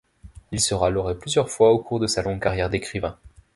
Il sera lauré plusieurs fois au cours de sa longue carrière d'écrivain.